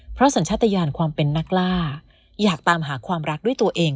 เพราะสัญชาติยานความเป็นนักล่าอยากตามหาความรักด้วยตัวเอง